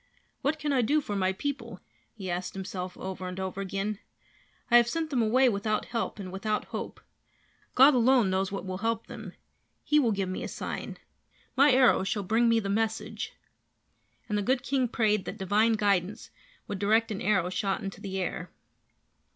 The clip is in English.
"What can I do for my people?" he asked himself over and over again. "I have sent them away without help and without hope. God alone knows what will help them. He will give me a sign. My arrow shall bring me the message." And the good king prayed that divine guidance would direct an arrow shot into the air.